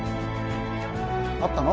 あったの？